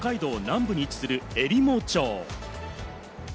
北海道南部に位置する、えりも町。